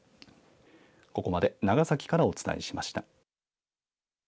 ここまで長崎からお伝えしました。